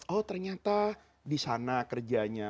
oh ternyata di sana kerjanya